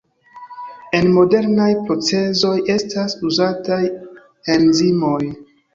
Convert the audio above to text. En modernaj procezoj estas uzataj enzimoj.